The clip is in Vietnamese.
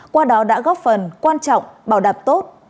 qua đó đã góp phần quan trọng bảo đạp tốt